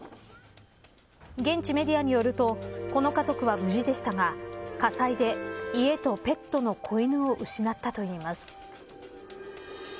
現地メディアによるとこの家族は無事でしたが火災で家とペットの子犬を失ったといいます。